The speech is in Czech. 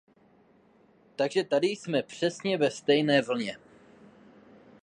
Takže tady jsme přesně na stejné vlně.